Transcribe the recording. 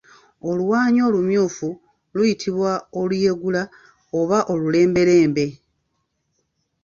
Oluwaanyi olumyufu luyitibwa oluyegula oba olulembelembe.